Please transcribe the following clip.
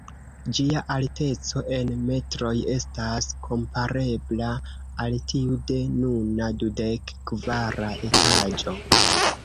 Ĝia alteco en metroj estas komparebla al tiu de nuna dudek kvara etaĝo.